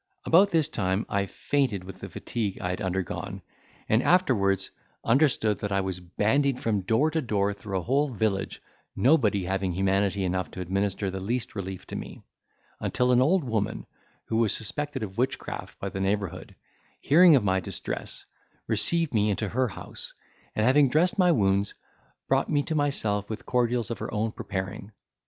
About this time I fainted with the fatigue I had undergone, and afterwards understood that I was bandied from door to door through a whole village, nobody having humanity enough to administer the least relief to me, Until an old woman, who was suspected of witchcraft by the neighbourhood, hearing of my distress, received me into her house, and, having dressed my wounds, brought me to myself with cordials of her own preparing.